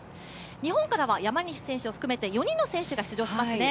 日本からは山西選手を含めて４人の選手が出場しますね。